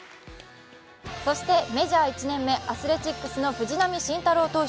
そしてメジャー１年目、アスレチックスの藤浪晋太郎投手。